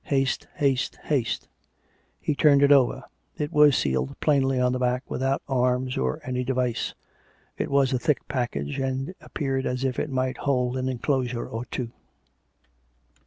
Haste. Haste. Haste." He turned it over; it was sealed plainly on the back without arms or any device; it was a thick package, and appeared as if it might hold an enclosure or two.